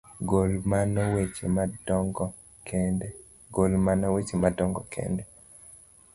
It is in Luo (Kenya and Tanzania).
gol mana weche madongo kende.